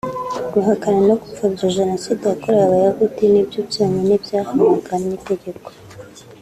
guhakana no gupfobya jenoside yakorewe Abayahudi nibyo byonyine byahanwaga n’itegeko